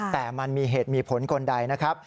แต่มันมีเหตุมีผลคนใดนะครับ